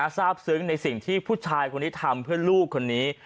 ทราบซึ้งในสิ่งที่ผู้ชายคนนี้ทำเพื่อลูกคนนี้